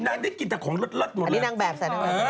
นางได้กินแต่ของรสหมดเลย